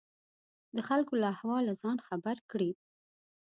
د خلکو له احواله ځان خبر کړي.